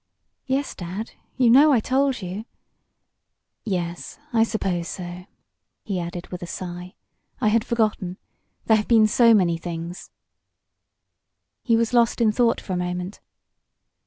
"Yes, Dad. You know I told you " "Yes, I suppose so," he added, with a sigh. "I had forgotten. There have been so many things " He was lost in thought for a moment.